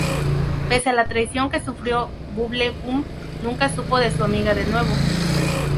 Pese a la traición que sufrió Bubblegum nunca supo de su amiga de nuevo.